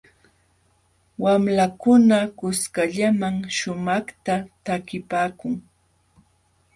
Wamlakuna kuskallam shumaqta takipaakun.